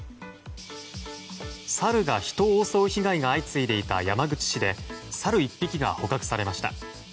サルが人を襲う被害が相次いでいた山口市でサル１匹が捕獲されました。